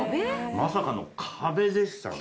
まさかの壁でしたね。